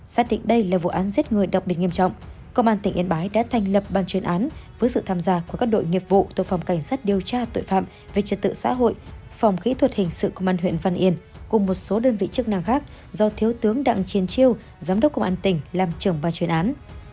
xác định đây là vụ án giết người đặc biệt nghiêm trọng công an tỉnh yên bái đã thành lập ban chuyên án với sự tham gia của các đội nghiệp vụ từ phòng cảnh sát điều tra tội phạm về trật tự xã hội phòng kỹ thuật hình sự công an huyện văn yên cùng một số đơn vị chức năng khác do thiếu tướng đặng chiên chiêu giám đốc công an tỉnh làm trưởng ban chuyên án